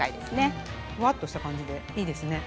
ふわっとした感じでいいですね。